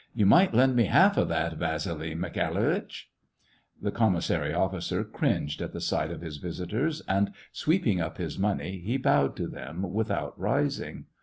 "You might lend me half of that, Vasily MikhaYlitch !" The commissary officer cringed at the sight of his visitors, and, sweeping up his money, he bowed to them without rising.